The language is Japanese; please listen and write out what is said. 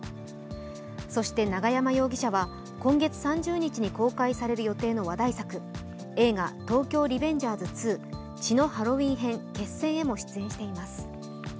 そして、永山容疑者は今月３０日に公開される予定の話題作、映画「東京リベンジャーズ２血のハロウィン編−決戦−」へも出演しています。